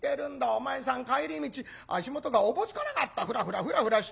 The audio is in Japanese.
お前さん帰り道足元がおぼつかなかったフラフラフラフラしてさ。